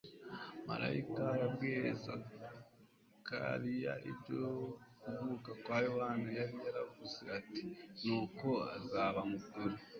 Maraika wabwiye Zakanya ibyo kuvuka kwa Yohana yari yaravuze ati: " Nuko azaba mukuru